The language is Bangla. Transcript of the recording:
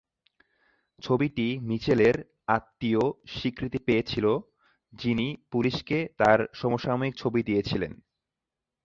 ছবিটি মিচেলের আত্মীয় স্বীকৃতি পেয়েছিল, যিনি পুলিশকে তার সমসাময়িক ছবি দিয়েছিলেন।